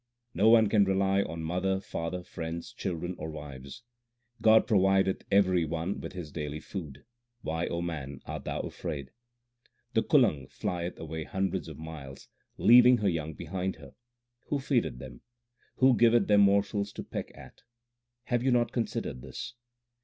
No one can rely on mother, father, friends, children, or wives. God provideth every one with his daily food ; why, O man, art thou afraid ? The kulang flieth away hundreds of miles, leaving her young behind her. Who feedeth them ? Who giveth them morsels to peck at ? Have you not considered this